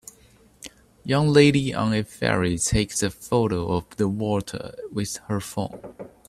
Young lady on a ferry takes a photo of the water with her phone.